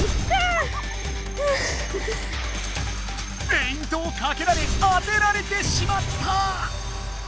フェイントをかけられ当てられてしまった！